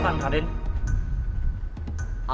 apa yang akan kita lakukan kaden